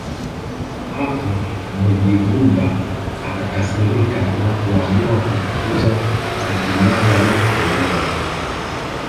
Hapo Munyigumba akakasirika na kuamua kumfukuza Sekinyaga na mwanawe